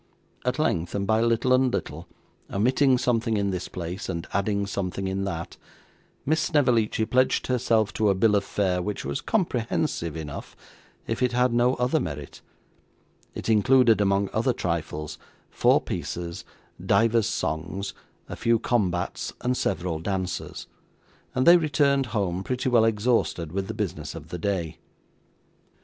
At length, and by little and little, omitting something in this place, and adding something in that, Miss Snevellicci pledged herself to a bill of fare which was comprehensive enough, if it had no other merit (it included among other trifles, four pieces, divers songs, a few combats, and several dances); and they returned home, pretty well exhausted with the business of the day.